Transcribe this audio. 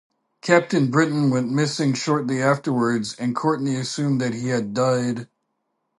Captain Britain went missing shortly afterwards and Courtney assumed that he had died.